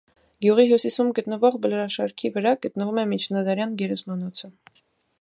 Գյուղի հյուսիսում գտնվող բլրաշարքի վրա գտնվում է միջնադարյան գերեզմանոցը։